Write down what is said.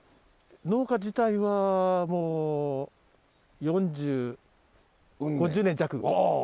農家自体はもう４０５０年弱。